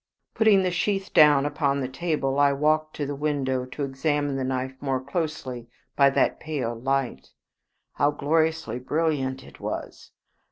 Putting the sheath down upon the table, I walked to the window to examine the knife more closely by that pale light. How gloriously brilliant it was!